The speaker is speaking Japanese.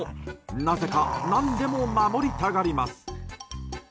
なぜか何でも守りたがります。